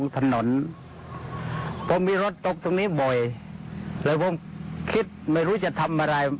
ถนนผมมีรถตกตรงนี้บ่อยเลยผมคิดไม่รู้จะทำอะไร